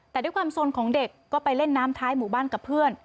แต่ด้วยความสนของเด็กก็ไปเล่นน้ำท้ายหมู่บ้านกับเพื่อน